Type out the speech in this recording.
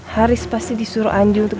haris pasti disuruh anjur tuh